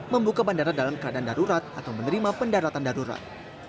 membuka bandara dalam keadaan darurat atau menerima pendaratan darurat